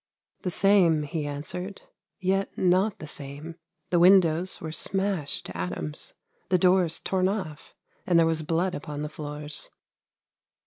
' The same,' he answered, ' yet not the same; the windows were smashed to atoms, the doors torn off, and there was blood upon the floors!